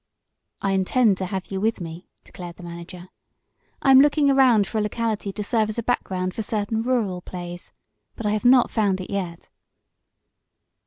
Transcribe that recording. "I intend to have you with me," declared the manager. "I am looking around for a locality to serve as a background for certain rural plays. But I have not found it yet."